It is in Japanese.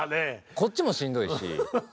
こっちもしんどいし。